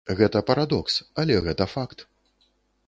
Гэта парадокс, але гэта факт.